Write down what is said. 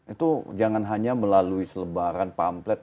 itu jangan hanya melalui selebaran pamplet